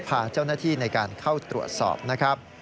พาเจ้าหน้าที่ในการเข้าตรวจสอบนะครับ